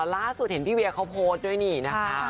ล่าสุดเห็นพี่เวียเขาโพสต์ด้วยนี่นะคะ